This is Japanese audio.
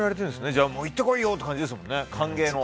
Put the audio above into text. じゃあ、行ってこいよ！って感じですね、歓迎の。